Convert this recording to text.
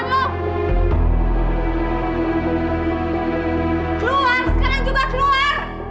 keluar sekarang juga keluar